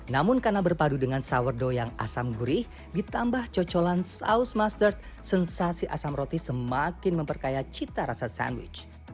namun karena berpadu dengan sourdow yang asam gurih ditambah cocolan saus masterd sensasi asam roti semakin memperkaya cita rasa sandwich